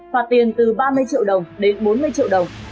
phạt tiền từ ba mươi triệu đồng đến bốn mươi triệu đồng